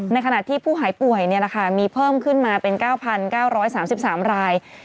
ในขณะที่ผู้หายป่วยมีเพิ่มขึ้นมาเป็น๙๙๓๓ราย